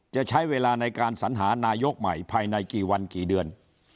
จะใช้เวลาในการสัญหานายกใหม่ภายในกี่วันกี่เดือน